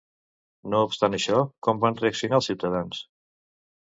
No obstant això, com van reaccionar els ciutadans?